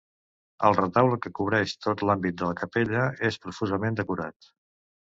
El retaule, que cobreix tot l'àmbit de la capella, és profusament decorat.